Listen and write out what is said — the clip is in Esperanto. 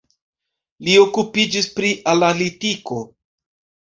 Li okupiĝis pri analitiko.